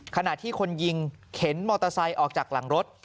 ขณะที่คนยิงเข็นมอเตอร์ไซค์ออกจากหลังรถ